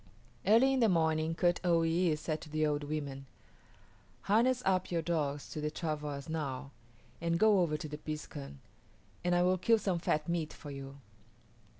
Early in the morning Kut o yis´ said to the old women, "Harness up your dogs to the travois now and go over to the piskun, and I will kill some fat meat for you."